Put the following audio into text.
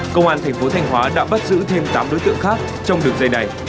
công an thành phố thanh hóa đã bắt giữ thêm tám đối tượng khác trong đường dây này